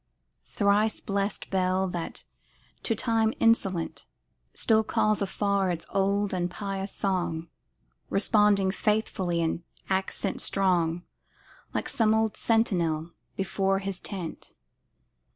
Thrice blessed bell, that, to time insolent, Still calls afar its old and pious song, Responding faithfully in accents strong, Like some old sentinel before his tent.